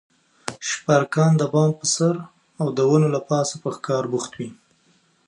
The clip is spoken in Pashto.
شپرکان د بام پر سر او د ونو له پاسه په ښکار بوخت وي.